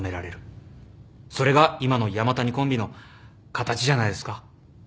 それが今の山谷コンビの形じゃないですか？